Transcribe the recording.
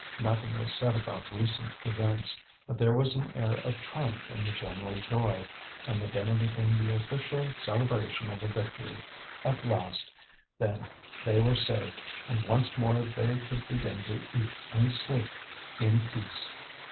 Nothing was said about recent events; but there was an air of triumph in the general joy, and the dinner became the official celebration of a victory. At last, then, they were saved, and once more they could begin to eat and sleep in peace.